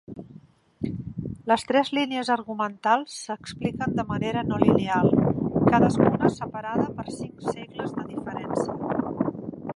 Les tres línies argumentals s'expliquen de manera no lineal, cadascuna separada per cinc segles de diferència.